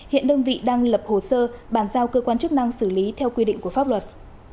hiện đơn vị đang lập hồ sơ bàn giao cơ quan chức năng xử lý theo quy định của pháp luật